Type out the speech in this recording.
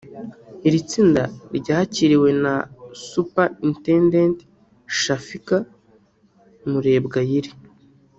Iri tsinda ryakiriwe na Superintendent Shafiga Murebwayire